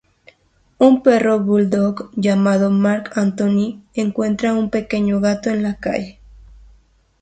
Un perro bulldog llamado Marc Anthony encuentra un pequeño gato en la calle.